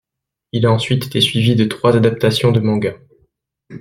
Il a ensuite été suivi de trois adaptations de mangas.